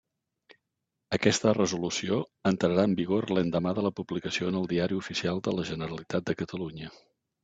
Aquesta resolució entrarà en vigor l'endemà de la publicació en el Diari Oficial de la Generalitat de Catalunya.